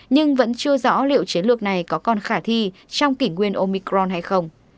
nhưng vẫn chưa rõ liệu chiến lược này có còn khả thi trong kỷ nguyên omicron hay không